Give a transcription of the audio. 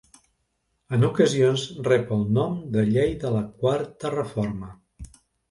En ocasions rep el nom de Llei de la Quarta Reforma.